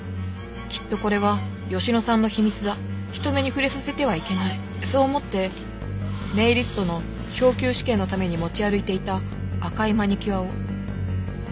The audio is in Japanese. きっとこれは佳乃さんの秘密だ人目に触れさせてはいけないそう思ってネイリストの昇級試験のために持ち歩いていた赤いマニキュアを。